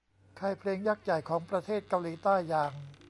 ค่ายเพลงยักษ์ใหญ่ของประเทศเกาหลีใต้อย่าง